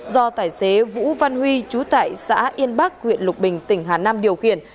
do tài xế vũ văn huy trú tại xã yên bắc huyện lục bình tỉnh hà nam điều khiển